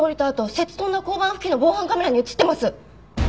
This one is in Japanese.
摂津富田交番付近の防犯カメラに映ってます！